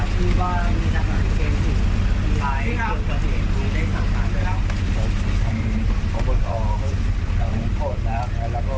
ที่ผ่านมามีเรื่องว่านี้ที่เกิดขึ้นเรื่อย